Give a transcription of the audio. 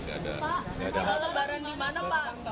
pak lebaran di mana pak